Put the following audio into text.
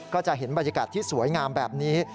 ก็จะเห็นบรรยากาศที่สวยงามแบบนี้